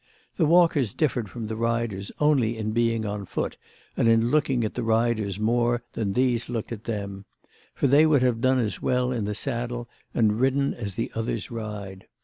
The walkers differed from the riders only in being on foot and in looking at the riders more than these looked at them; for they would have done as well in the saddle and ridden as the others ride.